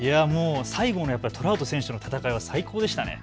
最後のトラウト選手との戦いは最高でしたね。